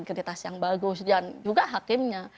yang ada integritas yang bagus dan juga hakimnya